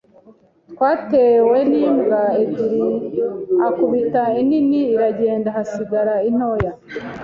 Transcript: twatewe n’imbwa ebyiri akubita inini iragenda hasigara intoya